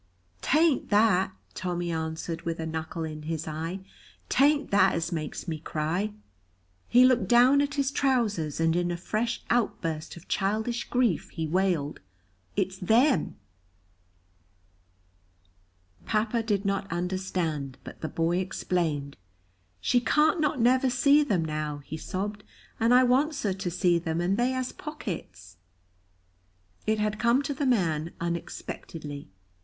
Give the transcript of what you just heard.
"'T ain't that," Tommy answered with a knuckle in his eye, "'t ain't that as makes me cry." He looked down at his trousers and in a fresh outburst of childish grief he wailed, "It's them!" Papa did not understand, but the boy explained. "She can't not never see them now," he sobbed, "and I wants her to see them, and they has pockets!" It had come to the man unexpectedly.